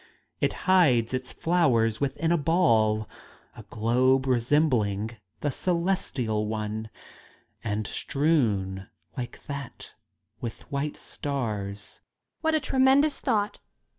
It hides its flowers within a ball, a globe resembling the celestial one, and strewn, like that, with white stars Young Lady. What a tremendous thought